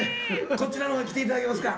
こちらの方に来ていただけますか？」